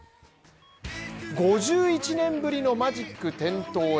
５１年ぶりのマジック点灯へ。